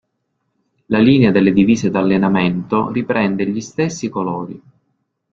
La linea delle divise da allenamento riprende gli stessi colori.